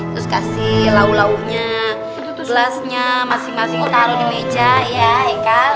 terus kasih lau launya belasnya masing masing taruh di meja ya ya kan